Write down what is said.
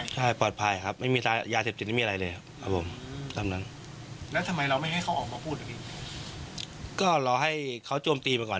ใช่ใช่ใช่มีหลายคนเหมือนกันครับใช่เกินกว่าสิบแน่นอน